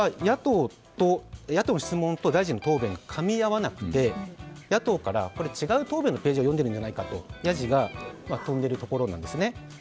野党の質問と大臣の答弁がかみ合わなくて野党から違う答弁のページを読んでいるんじゃないかとやじが飛んでいるところなんです。